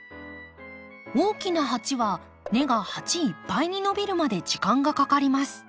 大きな鉢は根が鉢いっぱいに伸びるまで時間がかかります。